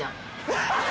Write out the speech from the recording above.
ハハハハ！